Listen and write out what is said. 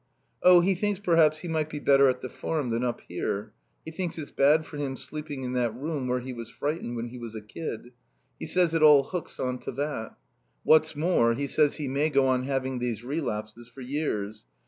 "Oh, he thinks perhaps he might be better at the Farm than up here. He thinks it's bad for him sleeping in that room where he was frightened when he was a kid. He says it all hooks on to that. What's more, he says he may go on having these relapses for years.